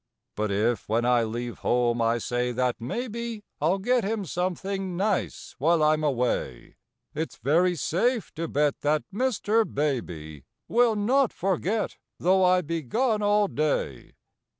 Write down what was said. But if, when I leave home, I say that maybe I'll get him something nice while I'm away, It's very safe to bet that Mr. Baby Will not forget, though I be gone all day.